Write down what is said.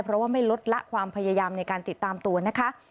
เพราะว่าไม่ลดละความพยายามในการติดตามตัวนะคะ